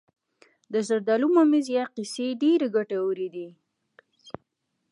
د زردالو ممیز یا قیسی ډیر ګټور دي.